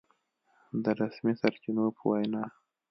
د رسمي سرچينو په وينا